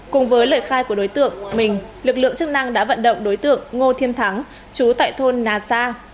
cùng với lời khai của đối tượng mình lực lượng chức năng đã vận động đối tượng ngô thiêm thắng chú tại thôn nà sa